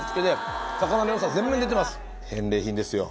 返礼品ですよ。